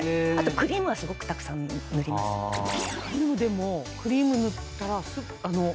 クリームでもクリーム塗ったら。